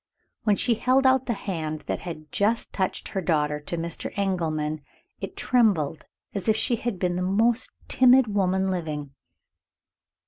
When she held out the hand that had just touched her daughter to Mr. Engelman, it trembled as if she had been the most timid woman living.